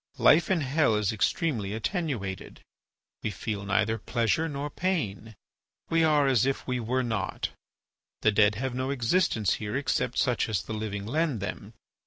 Life in hell is extremely attenuated; we feel neither pleasure nor pain; we are as if we were not. The dead have no existence here except such as the living lend them.